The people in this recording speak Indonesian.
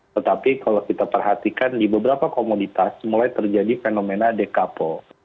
tetapi kalau kita perhatikan di beberapa komoditas mulai terjadi fenomena dekapol